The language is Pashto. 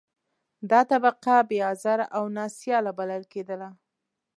دا طبقه بې آزاره او نا سیاله بلل کېدله.